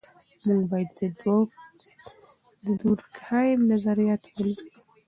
موږ باید د دورکهایم نظریات ولولو.